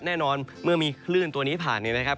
แน่นอนเมื่อมีคลื่นตัวนี้ผ่านเนี่ยนะครับ